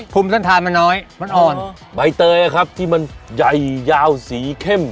ภูมิท่านทานมันน้อยมันอ่อนใบเตยอะครับที่มันใหญ่ยาวสีเข้ม